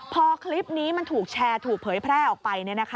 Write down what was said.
พอคลิปนี้มันถูกแชร์ถูกเผยแพร่ออกไป